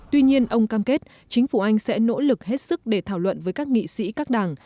tuy nhiên ông cam kết chính phủ anh sẽ nỗ lực hết sức để thảo luận với các nghị sĩ các đảng